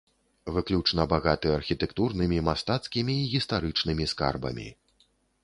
Выключна багаты архітэктурнымі, мастацкімі і гістарычнымі скарбамі.